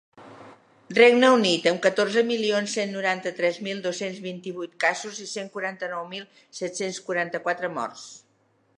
Regne Unit, amb catorze milions cent noranta-tres mil dos-cents vint-i-vuit casos i cent quaranta-nou mil set-cents quaranta-quatre morts.